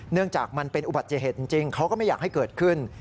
จากมันเป็นอุบัติเหตุจริงเขาก็ไม่อยากให้เกิดขึ้น